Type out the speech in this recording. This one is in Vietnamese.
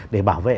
để bảo vệ